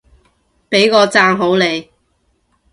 畀個讚好你